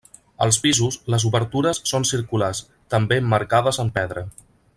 Als pisos, les obertures són circulars, també emmarcades en pedra.